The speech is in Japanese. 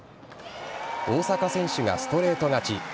大坂選手がストレート勝ち。